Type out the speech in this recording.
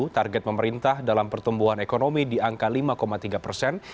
target pemerintah dalam pertumbuhan ekonomi di angka lima tiga persen